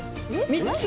３つ？